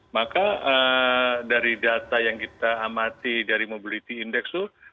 maka dari data yang kita amati dari mobility index itu